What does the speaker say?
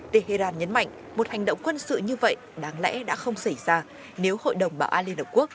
tehran nhấn mạnh một hành động quân sự như vậy đáng lẽ đã không xảy ra nếu hội đồng bảo an liên hợp quốc